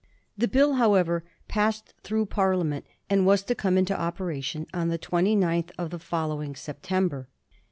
The Bill, how ever, passed through Parliament and was to come into operation on the 29th of the following September.